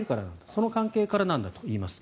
その関係からなんだといいます。